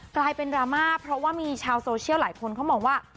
กลายเป็นดราม่าเพราะว่ามีชาวโซเชียลหลายคนเขามองว่า